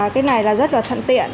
cái này là rất là thận tiện